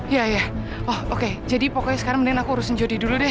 ya ya oh oke jadi pokoknya sekarang mendingan aku urusin jodi dulu deh